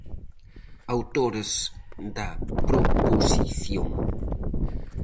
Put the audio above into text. Autores da proposición.